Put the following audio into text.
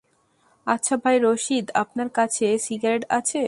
আচ্ছা ভাই রশিদ, আপনার কাছে সিগারেট আছে?